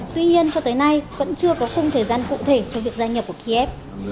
tuy nhiên cho tới nay vẫn chưa có khung thời gian cụ thể cho việc gia nhập của kiev